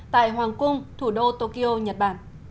tại hoàng cung thủ đô tokyo nhật bản